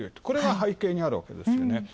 これが背景にあるわけです。